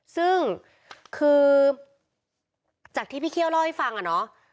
ซึ่งคือจากที่พี่เคี่ยวเล่าให้ฟังอะเนาะ